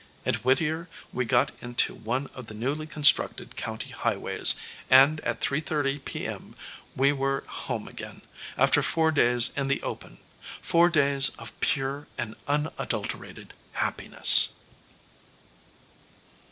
At Whittier we got into one of the newly constructed county highways, and at 3:30 p. m. we were home again, after four days in the open, four days of pure and unadulterated happiness.